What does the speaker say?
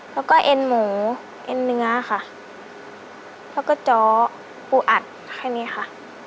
แล้วก็เอ็นหมูเอ็นเนื้อค่ะแล้วก็จ้อปูอัดแค่นี้ค่ะ